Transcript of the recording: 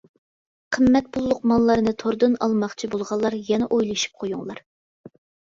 قىممەت پۇللۇق ماللارنى توردىن ئالماقچى بولغانلار يەنە ئويلىشىپ قويۇڭلار.